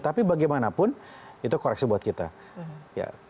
tapi bagaimanapun itu koreksi buat kita